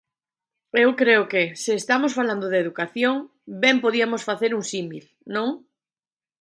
Eu creo que, se estamos falando de educación, ben podíamos facer un símil, ¿non?